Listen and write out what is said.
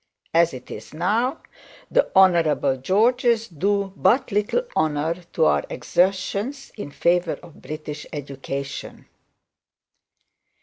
As it is now, the Honourable Georges do but little honour to our exertions in favour of British education.